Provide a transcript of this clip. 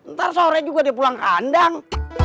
ntar sore juga dia pulang kandang